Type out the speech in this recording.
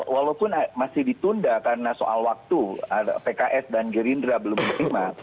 walaupun masih ditunda karena soal waktu pks dan gerindra belum menerima